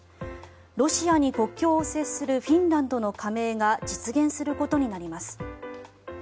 ロシアに国境を接するフィンランドの加盟が実現することになります。